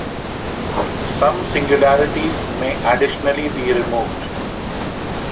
Some singularities may additionally be removed.